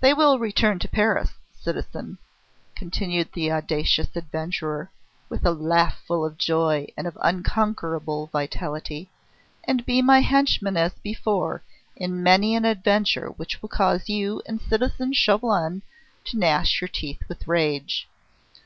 They will return to Paris, citizen," continued the audacious adventurer, with a laugh full of joy and of unconquerable vitality, "and be my henchmen as before in many an adventure which will cause you and citizen Chauvelin to gnash your teeth with rage.